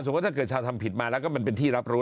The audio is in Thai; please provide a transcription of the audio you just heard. สมมติจะเกิดชาวทำผิดแล้วก็เป็นที่รับรู้